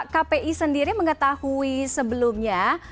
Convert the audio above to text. kpi sendiri mengetahui sebelumnya